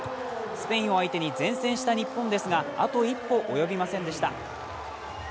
スペインを相手に善戦した日本ですが、あと一歩及びませんでした。